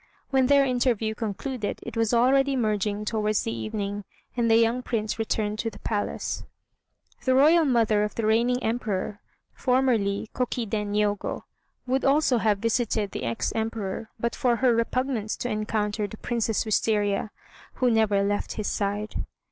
When their interview concluded it was already merging towards the evening, and the young Prince returned to the palace. The Royal mother of the reigning Emperor (formerly Koki den Niogo) would also have visited the ex Emperor but for her repugnance to encounter the Princess Wistaria, who never left his side.